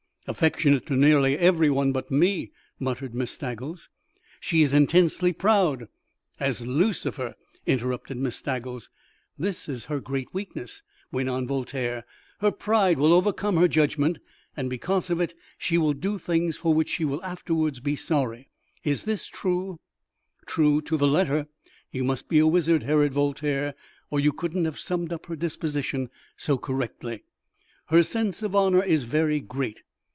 "Affectionate to nearly every one but me," muttered Miss Staggles. "She is intensely proud " "As Lucifer!" interrupted Miss Staggles. "This is her great weakness," went on Voltaire. "Her pride will overcome her judgment, and because of it she will do things for which she will afterwards be sorry. Is this true?" "True to the letter. You must be a wizard, Herod Voltaire, or you couldn't have summed up her disposition so correctly." "Her sense of honour is very great.